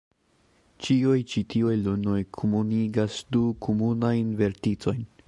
Ĉiuj ĉi tiuj lunoj komunigas du komunajn verticojn.